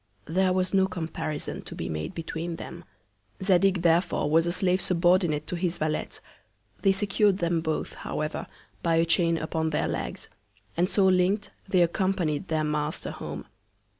There was no Comparison to be made between them. Zadig therefore was a Slave subordinate to his Valet; they secur'd them both, however, by a Chain upon their Legs; and so link'd they accompanied their Master home.